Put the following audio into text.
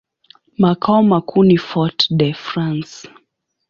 Makao makuu ni Fort-de-France.